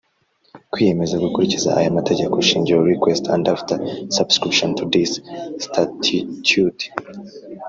kwiyemeza gukurikiza aya mategeko shingiro request and after subscription to this statute